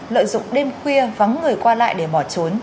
lợi dụng đêm khuya vắng người qua lại để bỏ trốn